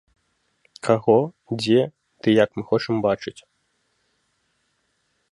Каго, дзе ды як мы хочам бачыць.